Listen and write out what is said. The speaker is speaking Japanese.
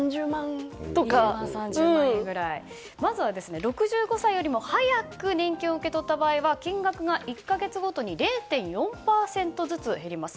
まずは６５歳よりも早く年金を受け取った場合は金額が、１か月ごとに０．４％ずつ減ります。